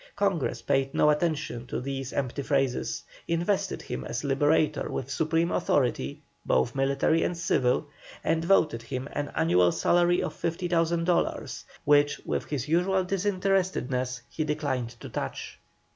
Congress paid no attention to these empty phrases, invested him as Liberator with supreme authority, both military and civil, and voted him an annual salary of 50,000 dollars, which, with his usual disinterestedness, he declined to touch.